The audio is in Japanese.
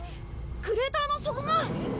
クレーターの底が。